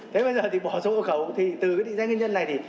thế bây giờ thì bỏ sổ hộ khẩu từ cái định danh cá nhân này thì